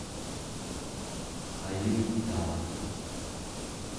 ayutaa